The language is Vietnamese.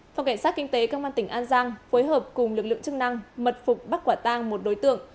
phòng cảnh sát kinh tế công an tỉnh an giang phối hợp cùng lực lượng chức năng mật phục bắt quả tang một đối tượng